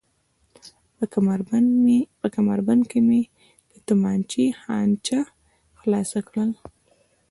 په کمربند کې مې د تومانچې خانچه خلاصه کړل.